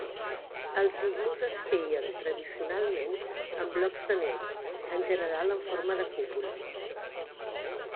Els iglús es feien, tradicionalment, amb blocs de neu, en general en forma de cúpula.